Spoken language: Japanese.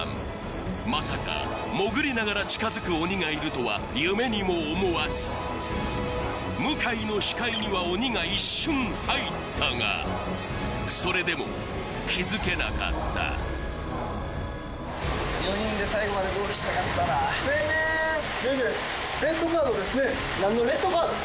まさか潜りながら近づく鬼がいるとは夢にも思わず向井の視界には鬼が一瞬入ったがそれでも気づけなかった４人で最後までゴールしたかったなレッドカードですね何のレッドカード？